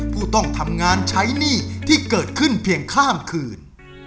ผู้ต้องทำงานใช้หนี้ที่เกิดขึ้นเพียงข้ามคืน